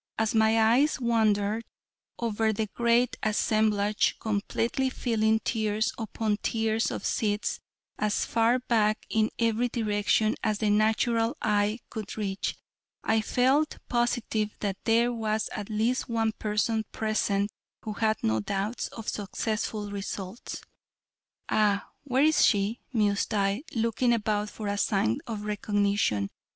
As my eyes wandered over the great assemblage completely filling tiers upon tiers of seats, as far back in every direction as the natural eye could reach, I felt positive that there was at least one person present who had no doubts of successful results. "Ah, where is she?" mused I, looking about for a sign of recognition.